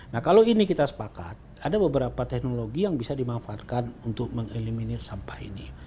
nah kalau ini kita sepakat ada beberapa teknologi yang bisa dimanfaatkan untuk mengeliminir sampah ini